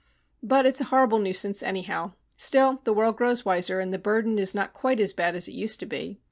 "But it's a horrible nuisance, anyhow. Still, the world grows wiser, and the burden is not quite so bad as it used to be.